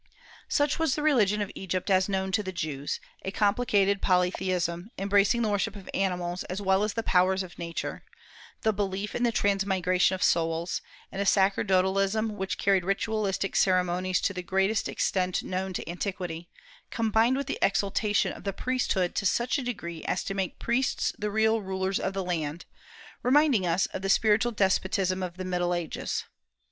Such was the religion of Egypt as known to the Jews, a complicated polytheism, embracing the worship of animals as well as the powers of Nature; the belief in the transmigration of souls, and a sacerdotalism which carried ritualistic ceremonies to the greatest extent known to antiquity, combined with the exaltation of the priesthood to such a degree as to make priests the real rulers of the land, reminding us of the spiritual despotism of the Middle Ages.